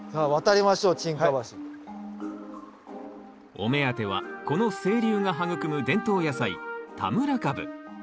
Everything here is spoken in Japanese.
お目当てはこの清流が育む伝統野菜田村かぶ。